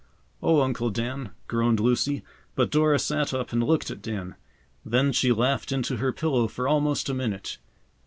"Oh, Uncle Dan!" groaned Lucy, but Dora sat up and looked at Dan. Then she laughed into her pillow for almost a minute.